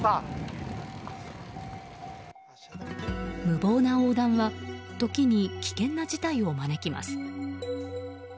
無謀な横断は時に危険な事態を招きます。